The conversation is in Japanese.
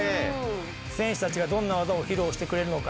選手たちがどんな技を披露してくれるのか。